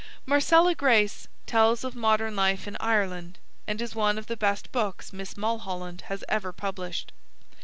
Marcella Grace tells of modern life in Ireland, and is one of the best books Miss Mulholland has ever published.